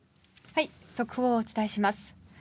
速報をお伝えします。